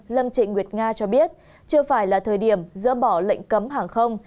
lâm trịnh nguyệt nga cho biết chưa phải là thời điểm dỡ bỏ lệnh cấm hàng không